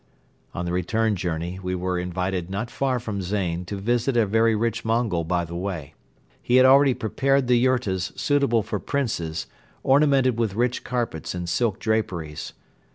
On the return journey we were invited not far from Zain to visit a very rich Mongol by the way. He had already prepared the yurtas suitable for Princes, ornamented with rich carpets and silk draperies.